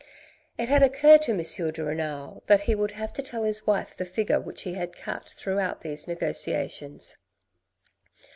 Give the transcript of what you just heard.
It had occurred to M. de Renal that he would have to tell his wife the figure which he had cut throughout these negotiations.